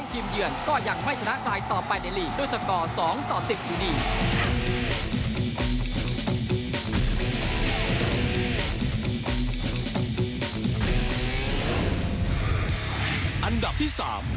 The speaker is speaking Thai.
สุดท้ายทีมเดือนก็อยากให้ชนะตายต่อไปในหลีกด้วยสกอร์ค๒ต่อ๑๐อยู่ดี